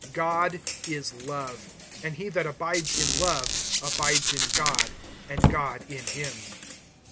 God is love; and he that abides in love abides in God, and God in him.